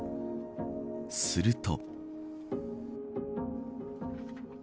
すると。